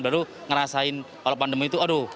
baru ngerasain kalau pandemi itu aduh